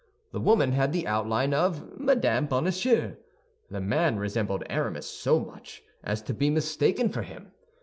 The woman had the outline of Mme. Bonacieux; the man resembled Aramis so much as to be mistaken for him.